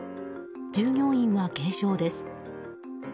従業員は軽傷です。